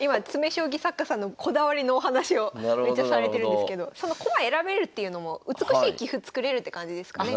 将棋作家さんのこだわりのお話をめっちゃされてるんですけどその駒選べるっていうのも美しい棋譜作れるって感じですかね。